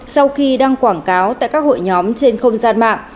sau khi đăng quảng cáo tại các hội nhóm trên không gian mạng